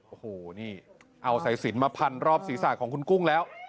โอ้โหนี่เอาสายสินมาพันรอบศีรษะของคุณกุ้งแล้ว